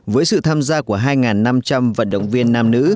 với sự tham gia của hai năm trăm linh vận động viên nam nữ